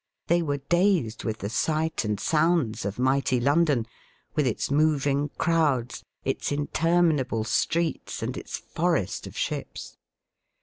They were dazed with the sight and sounds of mighty London, with its moving crowds, its intermin able streets, and its forest of ships.